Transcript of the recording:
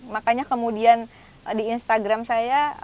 makanya kemudian di instagram saya